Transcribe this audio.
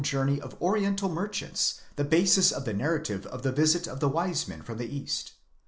journey of oriental merchants the basis of the narrative of the visit of the wise men from the east.